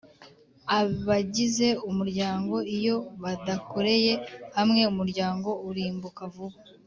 Abagize umuryango iyo badakoreye hamwe umuryango urimbuka vuba